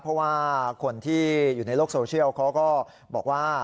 เพราะว่าคนที่อยู่ในโลกโซเชียลเขาก็บอกว่า